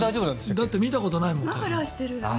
だって見たことないもん。